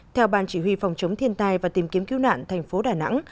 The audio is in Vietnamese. theo ban chỉ huy phòng chống thiên tai và tìm kiếm cứu nạn tp đà nẵng